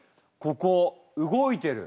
ここ動いてる！